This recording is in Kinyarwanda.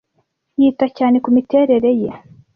Yita cyane kumiterere ye.